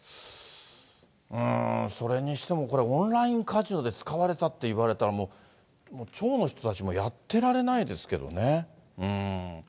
それにしても、これ、オンラインカジノで使われたって言われたら、もう町の人たちもやってられないですけどね。